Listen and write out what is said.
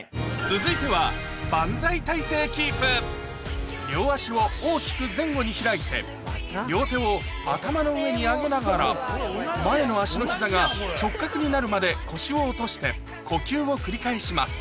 続いては両足を大きく前後に開いて前の足の膝が直角になるまで腰を落として呼吸を繰り返します